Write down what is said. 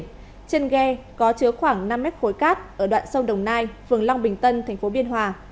trên ghe có chứa khoảng năm m khối cát ở đoạn sông đồng nai phường long bình tân tp biên hòa